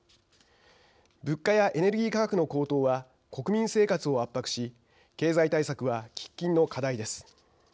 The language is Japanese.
物価やエネルギー価格の高騰は国民生活を圧迫し経済対策は喫緊の課題です。